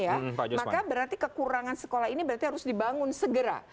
maka berarti kekurangan sekolah ini harus dibangun segera